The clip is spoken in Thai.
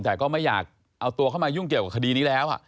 แต่ก็ไม่อยากเอาตัวเข้ามายุ่งเกี่ยวกับคดีนี้แล้ว